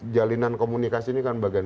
jalinan komunikasi ini kan bagian